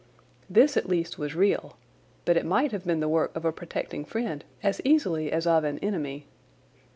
This at least was real, but it might have been the work of a protecting friend as easily as of an enemy.